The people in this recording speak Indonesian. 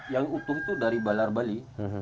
yang utuh itu dari balar bali